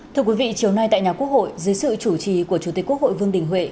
thưa quý vị chiều nay tại nhà quốc hội dưới sự chủ trì của chủ tịch quốc hội vương đình huệ